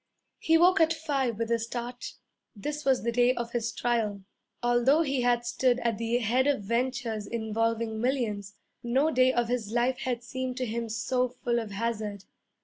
He woke at five with a start. This was the day of his trial. Although he had stood at the head of ventures involving millions, no day of his life had seemed to him so full of hazard.